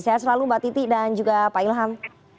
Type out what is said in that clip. sehat selalu mbak titi dan juga pak ilham